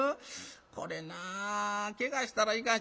これなけがしたらいかん。